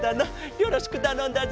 よろしくたのんだぞ。